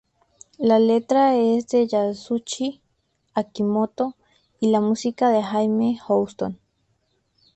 La letra es de Yasushi Akimoto, y la música de Jamie Houston.